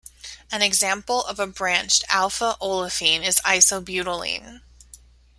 An example of a branched alpha-olefin is isobutylene.